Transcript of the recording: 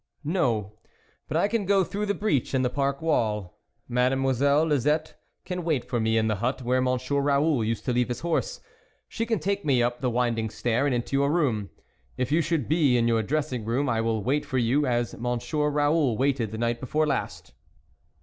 " No ; but I can go through the breach in the park wall: Mademoiselle Lisette can wait for me in the hut where Monsieur Raoul used to leave his horse, she can take me up the winding stair and into your room. If you should be in your dressing room, I will wait for you, as Monsieur Raoul waited the night before last."